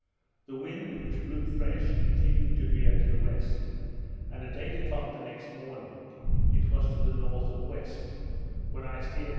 The wind, which blew fresh, continued to veer to the west; and at eight o'clock the next morning it was to the north of west, when I steered S.